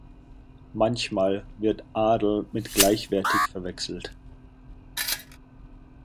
Manchmal wird 'adl mit Gleichwertigkeit verwechselt.